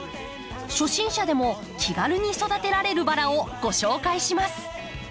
初心者でも気軽に育てられるバラをご紹介します。